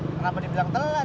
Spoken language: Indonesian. kenapa dibilang telat